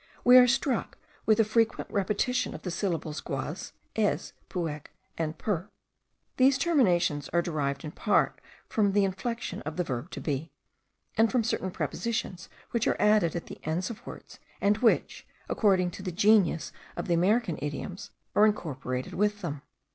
We are struck with the frequent repetition of the syllables guaz, ez, puec, and pur. These terminations are derived in part from the inflexion of the verb to be, and from certain prepositions, which are added at the ends of words, and which, according to the genius of the American idioms, are incorporated with them.